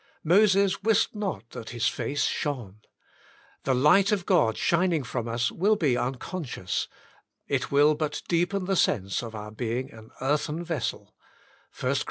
Moses wist not that his face shone: the light of God shining from us will be uncon scious; it will but deepen the sense of our being an earthen vessel (1 Cor.